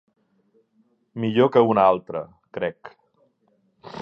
Millor que una altra, crec.